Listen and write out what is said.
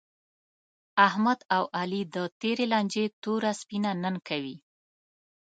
احمد او علي د تېرې لانجې توره سپینه نن کوي.